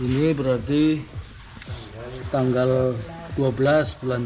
ini berarti tanggal dua belas bulan tiga tiga ratus